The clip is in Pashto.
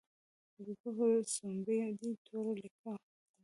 حبیبه پر سومبۍ دې توره لیکه ده.